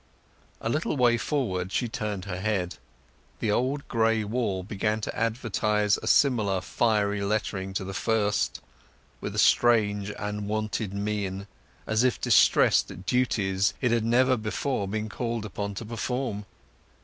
A little way forward she turned her head. The old gray wall began to advertise a similar fiery lettering to the first, with a strange and unwonted mien, as if distressed at duties it had never before been called upon to perform.